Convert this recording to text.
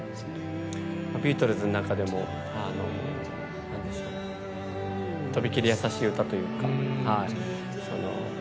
ビートルズの中でもとびきり優しい歌というか。